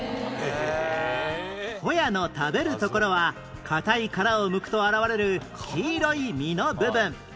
ホヤの食べるところは硬い殻をむくと現れる黄色い身の部分